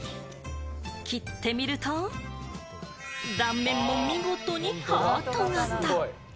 切ってみると、断面も見事にハート型！